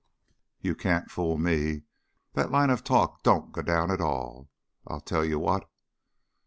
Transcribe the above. "Ye can't fool me. That line of talk don't go down at all I'll tell you what.